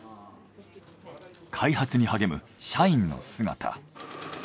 開発に励む社員の姿。